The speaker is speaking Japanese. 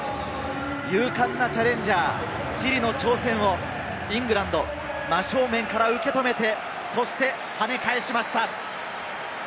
勇敢なチャレンジャー、チリの挑戦をイングランド、真正面から受け止めて、そして跳ね返しました。